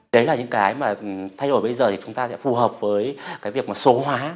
đấy là những cái mà thay đổi bây giờ thì chúng ta sẽ phù hợp với cái việc mà số hóa